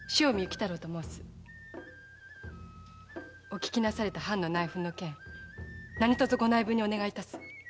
お聞きなされた藩の内紛の件何とぞご内聞にお願いいたす。